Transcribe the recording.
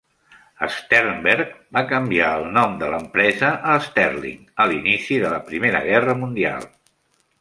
Sternberg va canviar el nom de l'empresa a Sterling a l'inici de la Primera Guerra Mundial.